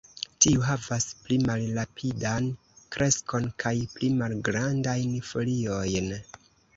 Tiu havas pli malrapidan kreskon kaj pli malgrandajn foliojn.